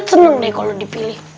dodot seneng deh kalo dipilih